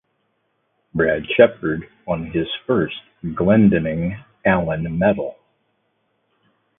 Brad Sheppard won his first Glendinning–Allan Medal.